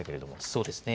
そうですね。